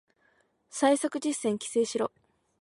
最速実践規制しろ